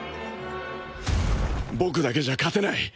僕だけじゃ勝てない。